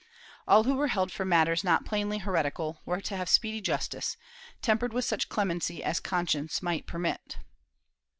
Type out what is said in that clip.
All who were held for matters not plainly heretical were to have speedy justice, tempered with such clemency as conscience might permit.